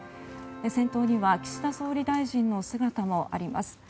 先頭には岸田総理大臣の姿もあります。